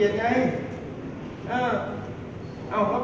คุณอย่าไม่สนใจไม่เป็นไรหรอกครับ